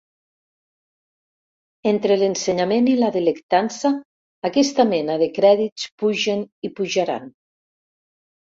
Entre l'ensenyament i la delectança, aquesta mena de crèdits pugen i pujaran.